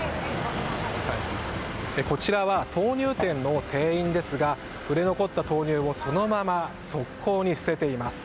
こちらは豆乳店の店員ですが売れ残った豆乳をそのまま側溝に捨てています。